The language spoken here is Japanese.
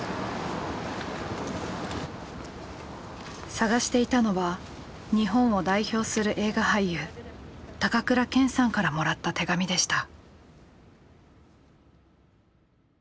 探していたのは日本を代表する映画俳優高倉健さんからもらった手紙でした。